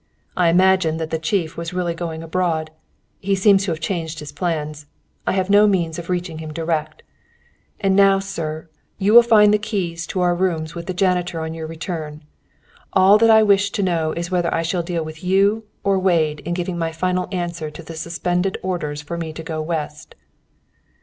I imagined that the Chief was really going abroad. He seems to have changed his plans. I have no means of reaching him direct. "And now, sir, you will find the keys of our rooms with the janitor on your return. All that I wish to know is whether I shall deal with you or Wade in giving my final answer to the suspended orders for me to go West."